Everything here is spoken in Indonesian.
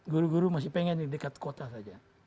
guru guru masih pengen di dekat kota saja